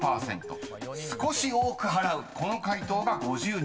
［少し多く払うこの回答が５２％］